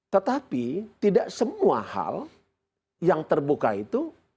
tetapi tidak semua hal yang terbuka itu